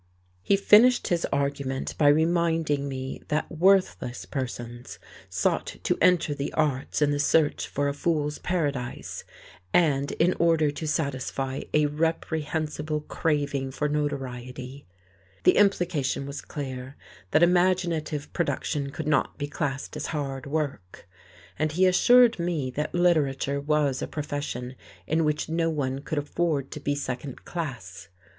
He finished his argument by reminding me that worthless persons sought to enter the arts in the search for a fool's paradise, and in order to satisfy a reprehensible craving for notoriety. The implication was clear, that imaginative production could not be classed as hard work. And he assured me that literature was a profession in which no one could afford to be second class.